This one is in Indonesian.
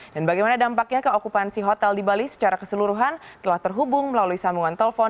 dan bagaimana dampaknya keokupansi hotel di bali secara keseluruhan telah terhubung melalui sambungan telpon